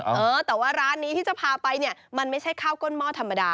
เออแต่ว่าร้านนี้ที่จะพาไปเนี่ยมันไม่ใช่ข้าวก้นหม้อธรรมดา